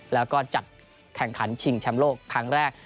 แล้วก็จัดแข่งขันชิงแชมป์โลกครั้งแรก